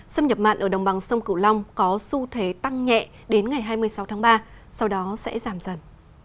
xâm nhập mặn ở đồng bằng sông cửu long có xu thế tăng nhẹ đến ngày hai mươi sáu tháng ba sau đó sẽ giảm dần